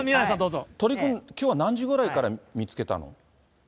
鳥くん、きょうは何時ぐらいから見つけたの？